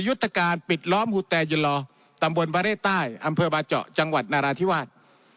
ยุทธการปิดล้อมฮูแตยุลอตำบลประเทศใต้อำเภอบาเจาะจังหวัดนาราธิวาส